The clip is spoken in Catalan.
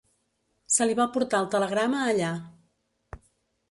Se li va portar el telegrama allà.